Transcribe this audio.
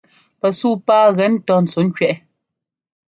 Pɛ suu pá gɛ ńtɔ́ ntsuŋkẅɛʼ.